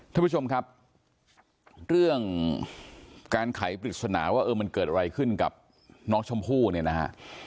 ท่านผู้ชมครับเรื่องการไขปริศนาว่าเออมันเกิดอะไรขึ้นกับน้องชมพู่เนี่ยนะฮะ